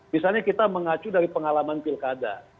misalnya kita mengacu dari pengalaman pilkada